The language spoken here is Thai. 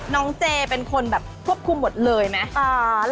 น้องเจเป็นคนแบบควบคุมหมดเลยไหม